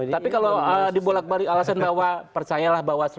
tapi kalau dibolak balik alasan bawaslu